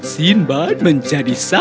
sinbad menjadi sahabat